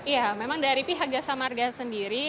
ya memang dari pihak jasa marga sendiri